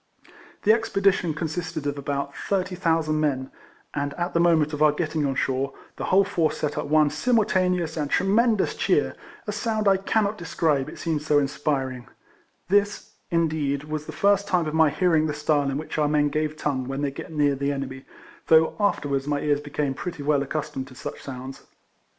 The expedition consisted of about 30,000 men, and at the moment of our getting on shore, the whole force set up one simulta neous and tremendous cheer, a sound I cannot describe, it seemed so inspiring. This, indeed, was the first time of my hear ing the style in which our men give tongue RIFLEMAIT HARRIS. 17 when they get near the enemy, though afterwards my ears became pretty well ac customed to such sounds.